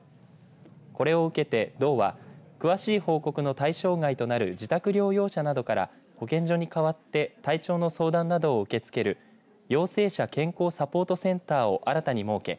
これを受けて道は詳しい報告の対象外となる自宅療養者などから保健所に代わって体調の相談などを受け付ける陽性者健康サポートセンターを新たに設け